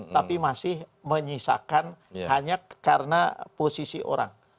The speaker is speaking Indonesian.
tapi masih menyisakan hanya karena posisi orang